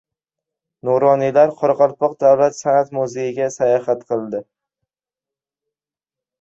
Nuroniylar Qoraqalpoq davlat san’at muzeyiga sayohat qildi